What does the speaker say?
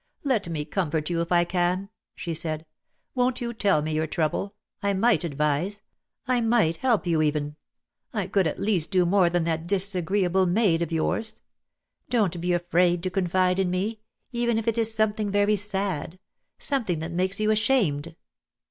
"Let me comfort you, if I can," she said. "Won't you tell me your trouble? I might advise; I might help you even. I could at least do more than that disagreeable maid of yours. Don't be afraid to confide in me — even if it is something very sad — something that makes you ashamed."